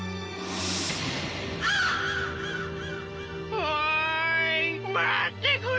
おおい待ってくれ！